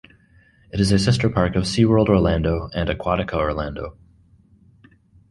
It is a sister park of SeaWorld Orlando and Aquatica Orlando.